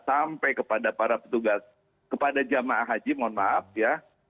sampai kepada para petugas kepada jamaah haji mohon maaf ya